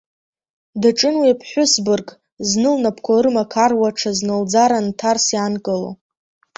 Даҿын уи аԥҳәыс бырг, зны лнапқәа ырмақаруа, ҽазны лӡара нҭарс иаанкыло.